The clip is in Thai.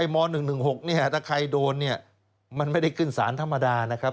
ม๑๑๖เนี่ยถ้าใครโดนเนี่ยมันไม่ได้ขึ้นสารธรรมดานะครับ